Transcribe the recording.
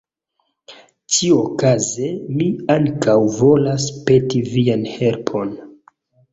Ĉiuokaze mi ankaŭ volas peti vian helpon.